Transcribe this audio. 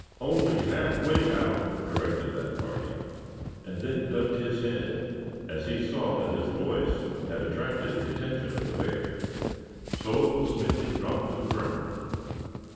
"Only half way out," corrected that party; and then ducked his head as he saw that his voice had attracted the attention of the bear. So Smithy dropped to the ground.